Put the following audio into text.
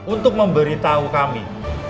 untuk memberi tahu kami